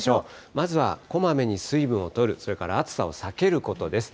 まずはこまめに水分をとる、それから暑さを避けることです。